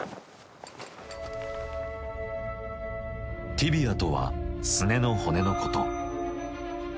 ティビアとはすねの骨のこと。